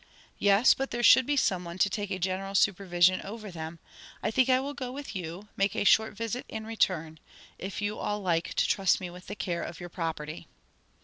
"Yes, but there should be some one to take a general supervision over them. I think I will go with you, make a short visit and return; if you all like to trust me with the care of your property."